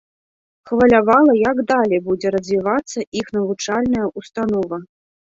Хвалявала, як далей будзе развівацца іх навучальная ўстанова.